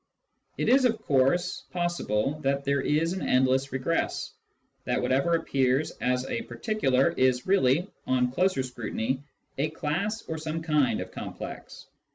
It is, of course, possible that there is an endless regress : that whatever appears as a particular is really, on closer scrutiny, a class or some kind of complex.